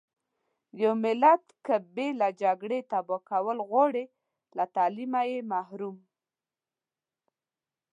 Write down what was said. يو ملت که بې له جګړې تبا کول غواړٸ له تعليمه يې محروم .